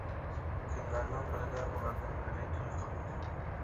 كۈنلەرنىڭ بىرىدە ئۇلاردىن بىرى توي قىلىپتۇ.